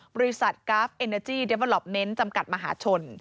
บริษัทกราฟเตอร์เนอร์จี้เด็วเวิลอปเมนต์จำกัดมหาชน